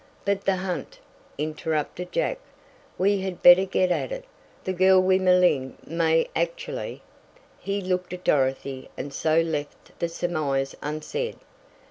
"But the hunt," interrupted Jack. "We had better get at it. The girl we malign may actually " He looked at Dorothy and so left the surmise unsaid.